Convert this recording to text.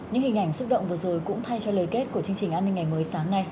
những hình ảnh xúc động vừa rồi cũng thay cho lời kết của chương trình an ninh ngày mới sáng nay